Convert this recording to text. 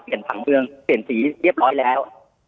พอเปลี่ยนถังเบื้องเปลี่ยนสีเรียบร้อยแล้ว